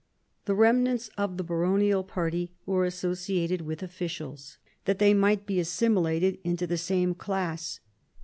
The remnants of the baronial party were associated with officials, that they might be assimilated into the same class.